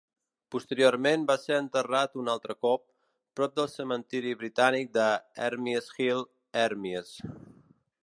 Posteriorment va ser enterrat un altre cop, prop del Cementiri Britànic de Hermies Hill, Hermies.